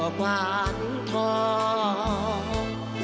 เสียงครวดคลำไปทั่วผ่านท้อง